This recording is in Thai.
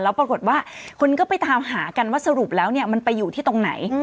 แล้วปรากฏว่าคนก็ไปตามหากันว่าสรุปแล้วเนี่ยมันไปอยู่ที่ตรงไหน